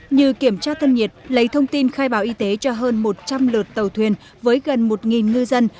như kiểm tra thân nhiệt lấy thông tin khai báo y tế cho hơn một trăm linh lượt tàu thuyền với gần một ngư dân